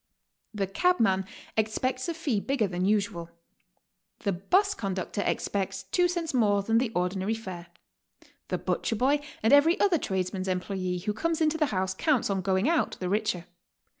The cabman expects a fee bigger than usual. The bus conductor expects two cents more than the ordinary fare. The butcher boy and every other tradesman's employe who co*mes into the house counts on going out the richer.